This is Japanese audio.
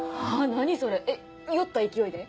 何それえっ酔った勢いで？